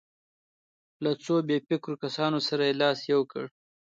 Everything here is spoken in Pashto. له څو بې فکرو کسانو سره یې لاس یو کړ.